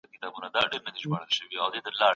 د هر پېر مهم سیاسي مسایل له بل پېر سره توپیر لري.